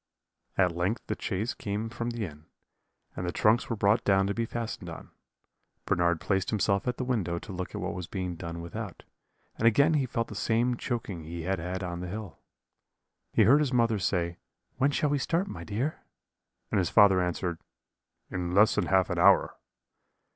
"At length the chaise came from the inn, and the trunks were brought down to be fastened on. "Bernard placed himself at the window to look at what was being done without; and again he felt the same choking he had had on the hill. "He heard his mother say, 'When shall we start, my dear?' and his father answer, 'In less than half an hour.'